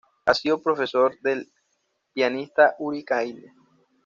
Ha sido profesor del pianista Uri Caine.